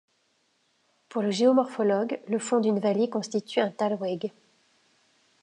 Pour le géomorphologue, le fond d'une vallée constitue un talweg.